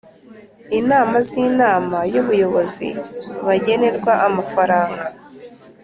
Inama z inama y ubuyobozi bagenerwa amafaranga